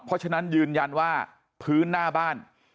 เพราะฉะนั้นยืนยันว่าพื้นหน้าบ้าน